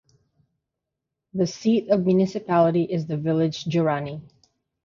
The seat of the municipality is the village Gerani.